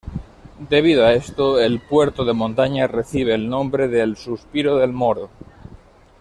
Debido a esto el puerto de montaña recibe el nombre del "Suspiro del Moro".